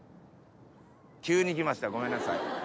急に来ましたごめんなさい。